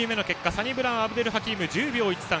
サニブラウン・アブデルハキーム１０秒１３。